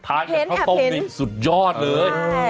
แอบเห็น